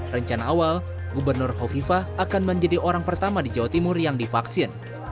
rencana awal gubernur kofifa akan menjadi orang pertama di jawa timur yang divaksin